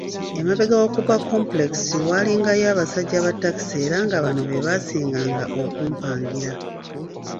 Emabega wa Cooper Complex waalingayo abasajja ba taxi era nga bano be baasinganga okumpagira.